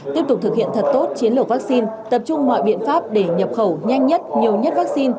tiếp tục thực hiện thật tốt chiến lược vaccine tập trung mọi biện pháp để nhập khẩu nhanh nhất nhiều nhất vaccine